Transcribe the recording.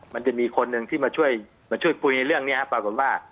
มันจะมีคนหนึ่งที่มาช่วยมาช่วยคุยในเรื่องนี้ปรากฏว่า